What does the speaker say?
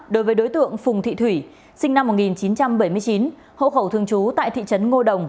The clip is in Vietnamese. đối với đối tượng phùng thị thủy sinh năm một nghìn chín trăm bảy mươi chín hộ khẩu thường trú tại thị trấn ngô đồng